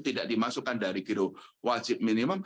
tidak dimasukkan dari giro wajib minimum